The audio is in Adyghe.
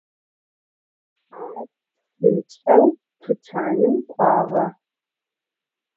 Ar psınç'eu tuçanım k'uağe.